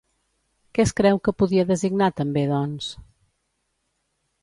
Què es creu que podia designar també, doncs?